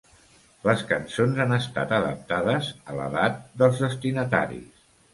Les cançons han estat adaptades a l'edat dels destinataris.